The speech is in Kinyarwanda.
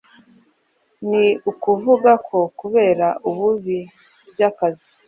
ni ukuvuga ko kubera ububi by'akazi